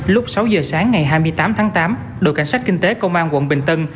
lúc sáu giờ sáng ngày hai mươi tám tháng tám đội cảnh sát kinh tế công an quận bình tân